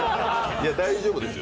いや、大丈夫ですよ。